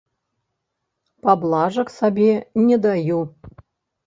Паблажак сабе не даю.